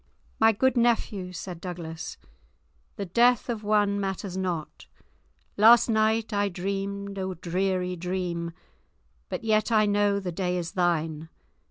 "My good nephew," said Douglas, "the death of one matters not; last night I dreamed a dreary dream, but yet I know the day is thine.